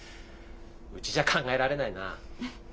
うちじゃ考えられないな。